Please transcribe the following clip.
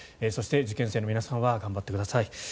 そして受験生の皆さんは頑張ってください。